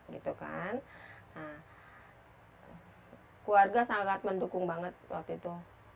nah keluarga sangat mendukung banget waktu itu